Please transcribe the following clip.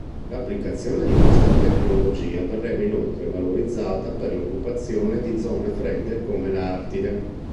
L'applicazione di questa tecnologia verrebbe inoltre valorizzata per l'occupazione di zone fredde come l'Artide.